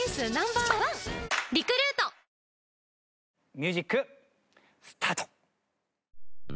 ミュージックスタート！